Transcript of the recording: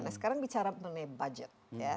nah sekarang bicara mengenai budget ya